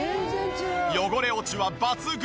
汚れ落ちは抜群！